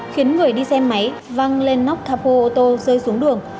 khiến người đi xe máy văng lên nóc capo ô tô rơi xuống đường